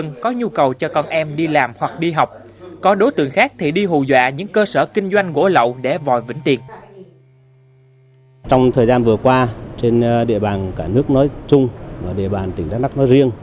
nhiều người dân có nhu cầu cho con em đi làm hoặc đi học có đối tượng khác thì đi hù dọa những cơ sở kinh doanh gỗ lậu để vòi vĩnh tiền